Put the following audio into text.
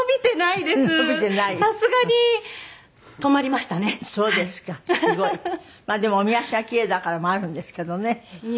まあでもおみ足が奇麗だからもあるんですけどね。